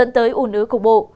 phụ nữ cục bộ